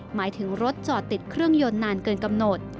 หมายถึงรถจอดติดเครื่องยนต์นานเกินกำหนด